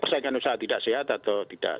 persaingan usaha tidak sehat atau tidak